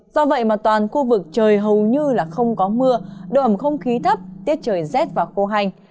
do vậy mà toàn khu vực trời hầu như là không có mưa độ ẩm không khí thấp tiết trời rét và khô hành